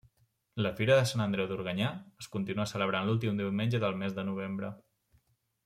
La Fira de sant Andreu d'Organyà es continua celebrant l'últim diumenge del mes de novembre.